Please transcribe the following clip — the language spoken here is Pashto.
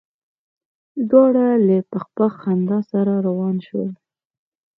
دواړه له پخ پخ خندا سره روان شول.